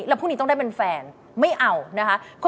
แล้วพรุ่งนี้ต้องได้เป็นแฟนไม่เอานะคะ